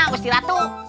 tenang gusti ratu